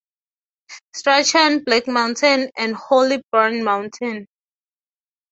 Strachan, Black Mountain, and Hollyburn Mountain.